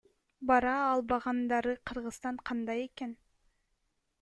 Бара албагандары Кыргызстан кандай экен?